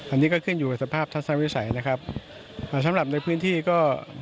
อันนี้ก็ขึ้นอยู่กับสภาพทัศนวิสัยนะครับอ่าสำหรับในพื้นที่ก็